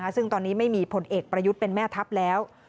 ซึ่งตอนนี้ไม่มีผลเอกประยุทธ์เป็นแม่ทัพแล้ว